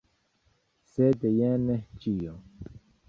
Sed jen ĉio.